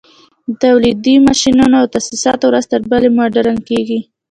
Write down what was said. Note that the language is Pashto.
د تولید ماشینونه او تاسیسات ورځ تر بلې مډرن کېږي